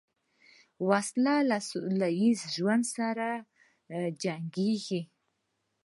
وسله له سولهییز ژوند سره جنګیږي